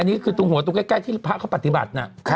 อันนี้คือตรงหัวตรงใกล้ที่พระเขาปฏิบัติ